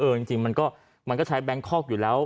จริงมันก็ใช้แบงคอกอยู่แล้ว